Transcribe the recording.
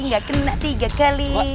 gak kena tiga kali